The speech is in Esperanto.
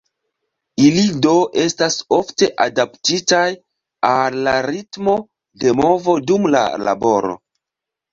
Ili do estas ofte adaptitaj al la ritmo de movo dum la laboro.